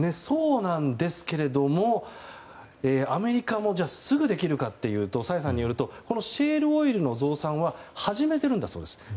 そうなんですけれどもアメリカもすぐできるかというと崔さんによるとシェールオイルの増産は始めてるんだそうです。